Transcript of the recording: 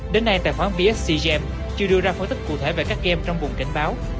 đến nay tài khoản bscchem chưa đưa ra phóng thức cụ thể về các game trong buồng cảnh báo